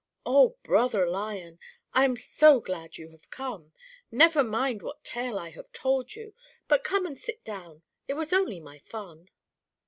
"Oh! brother Lion, I am so glad you have come; never mind what tale I have told you, but come and sit down it was only my fun."